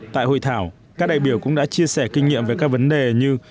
tại hội thảo các đại biểu cũng đã chia sẻ kinh nghiệm về các vấn đề như